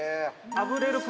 あぶれる君！？